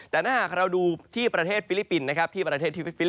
แต่หน้าหากเราดูที่ประเทศฟิลิปปินต์